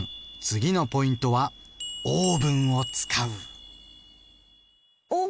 次のポイントは「オーブンを使う」。